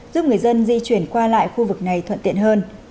giúp người dân di chuyển qua lại khu vực này thuận tiện hơn